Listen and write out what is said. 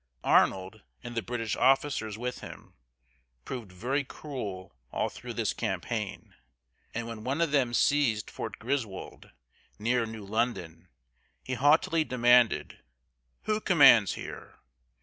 Arnold, and the British officers with him, proved very cruel all through this campaign; and when one of them seized Fort Griswold, near New London, he haughtily demanded, "Who commands here?"